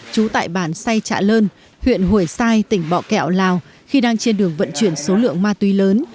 trú tại bản say trạ lơn huyện hủy sai tỉnh bọ kẹo lào khi đang trên đường vận chuyển số lượng ma túy lớn